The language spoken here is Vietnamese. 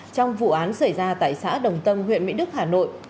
trong vụ án xảy ra tại xã đồng tâm huyện mỹ đức hà nội